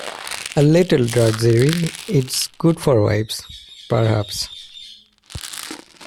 A little drudgery is good for wives, perhaps.